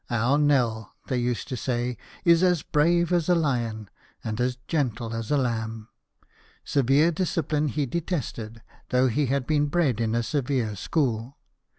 '' Our Nel," they used to say, "is as brave as a Hon, and as gentle as a lamb." Severe discipline he detested, though he had been bred in a severe school.